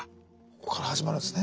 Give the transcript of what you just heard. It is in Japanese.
ここから始まるんですね。